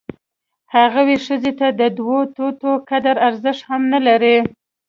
هغوی ښځې ته د دوه توتو قدر ارزښت هم نه لري.